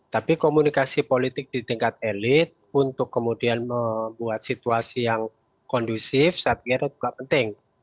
tapi komunikasi politik di tingkat elit untuk kemudian membuat situasi yang kondusif saya pikir juga penting